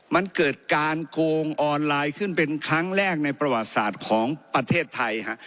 มันเกิดการโกงออนไลน์ขึ้นเป็นครั้งแรกในประวัติศาสตร์ของประเทศไทยฮะ